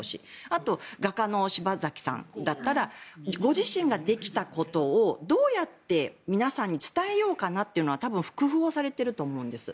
あと、画家の柴崎さんだったらご自身ができたことをどうやって皆さんに伝えようかなというのは多分複合されていると思うんです。